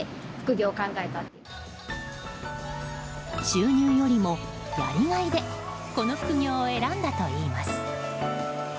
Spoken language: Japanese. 収入よりもやりがいでこの副業を選んだといいます。